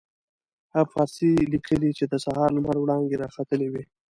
هغه په فارسي لیکلي چې د سهار لمر وړانګې را ختلې وې.